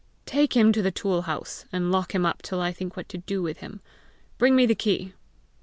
"Take him to the tool house, and lock him up till I think what to do with him. Bring me the key."